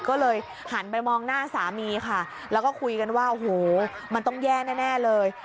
ก็เลยหันไปมองหน้าสามีค่ะแล้วก็คุยกันว่าโอ้โหมันต้องแย่แน่เลย